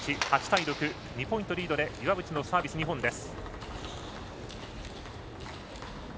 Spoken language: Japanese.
２ポイントリードで岩渕のサービス、２本です。